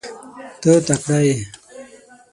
ته تکړه یې .